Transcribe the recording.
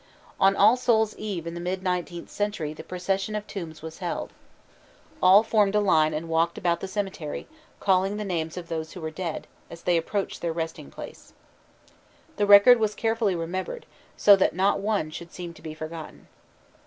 On All Souls' Eve in the mid nineteenth century the "procession of tombs" was held. All formed a line and walked about the cemetery, calling the names of those who were dead, as they approached their resting places. The record was carefully remembered, so that not one should seem to be forgotten.